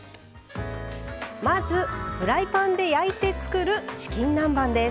まずフライパンで焼いて作るチキン南蛮です。